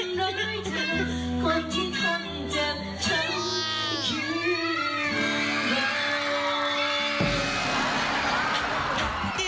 คนที่ทำเจ็บฉันคือเธอ